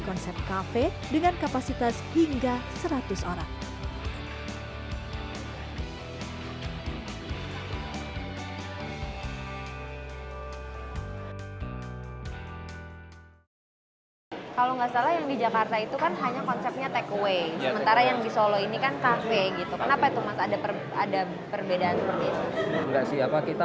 konsepnya seperti itu